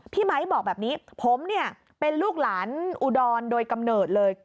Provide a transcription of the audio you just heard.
ไมค์บอกแบบนี้ผมเนี่ยเป็นลูกหลานอุดรโดยกำเนิดเลย